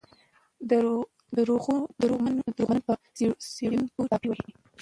د دروغو منونکي په څېړونکو ټاپې وهي.